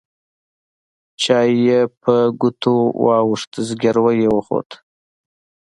چای يې په ګوتو واوښت زګيروی يې وخوت.